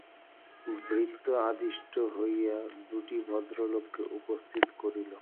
ভৃত্য আদিষ্ট হইয়া দুটি ভদ্রলোককে উপস্থিত করিল।